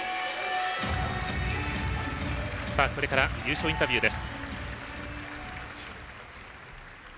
これから優勝インタビューです。